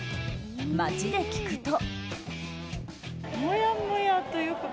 街で聞くと。